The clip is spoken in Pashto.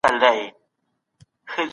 سایبري امنیتي انجنیران د شبکو کمزورۍ څاري.